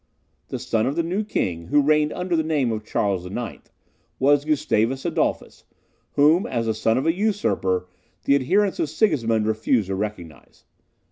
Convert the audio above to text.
The son of the new king (who reigned under the name of Charles IX.) was Gustavus Adolphus, whom, as the son of a usurper, the adherents of Sigismund refused to recognize.